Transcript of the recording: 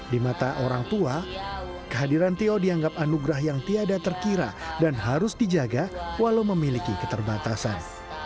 di mata orang tua kehadiran tio dianggap anugerah yang tiada terkira dan harus dijaga walau memiliki keterbatasan